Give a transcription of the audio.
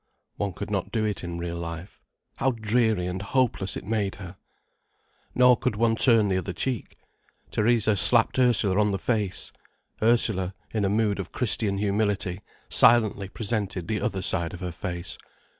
One could not do it in real life. How dreary and hopeless it made her! Nor could one turn the other cheek. Theresa slapped Ursula on the face. Ursula, in a mood of Christian humility, silently presented the other side of her face.